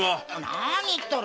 何言っとる。